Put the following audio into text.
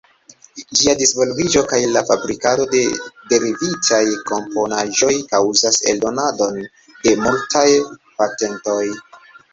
Ĝia disvolviĝo kaj la fabrikado de derivitaj komponaĵoj kaŭzas eldonadon de multaj patentoj.